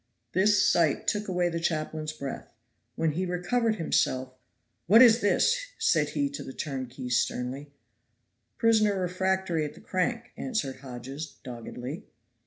This sight took away the chaplain's breath. When he recovered himself, "What is this?" said he to the turnkeys, sternly. "Prisoner refractory at the crank," answered Hodges, doggedly.